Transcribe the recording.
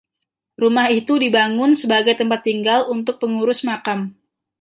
Rumah itu dibangun sebagai tempat tinggal untuk pengurus makam.